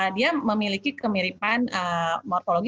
dia memiliki kemiripan morfologi